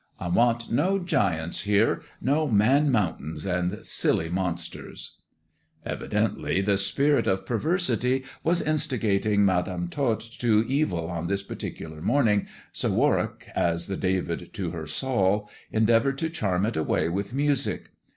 I want no giants here — no maii'moun tains and silly monsters." 98 THE dwarf's chamber Evidently the spirit of perversity was instigating Madam Tot to evil on this particular morning, so Warwick, as the David to her Saul, endeavoured to charm it away with music.